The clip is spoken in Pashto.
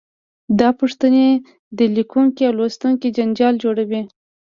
دا پوښتنې د لیکونکي او لوستونکي جنجال جوړوي.